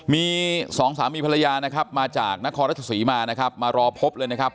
มีสองสามีภรรยานะครับมาจากนครรัชศรีมานะครับมารอพบเลยนะครับ